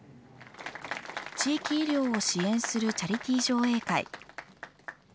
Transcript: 地域医療を支援するチャリティー上映会。